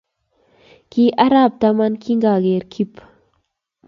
Ki arap taman kingageere Kip